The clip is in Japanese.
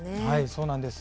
そうなんです。